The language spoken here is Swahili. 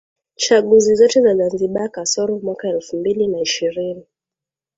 Chaguzi zote za Zanzibar kasoro mwaka elfu mbili na ishirini